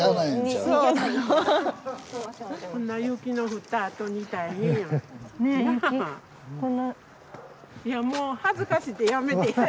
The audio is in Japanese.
いやもう恥ずかしやめて。